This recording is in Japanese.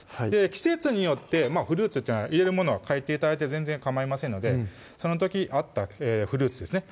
季節によってフルーツというのは入れるものは変えて頂いて全然かまいませんのでその時あったフルーツですね